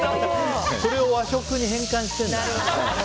それを和食に変換してんだな。